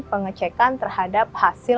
pengecekan terhadap hasil